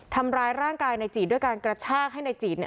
ทำร้ายร่างกายในจีดด้วยการกระชากให้นายจีดเนี่ย